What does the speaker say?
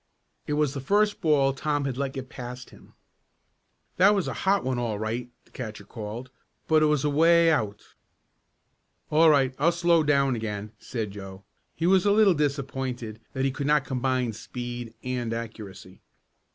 It was the first ball Tom had let get past him. "That was a hot one all right!" the catcher called, "but it was away out." "All right, I'll slow down again," said Joe. He was a little disappointed that he could not combine speed and accuracy.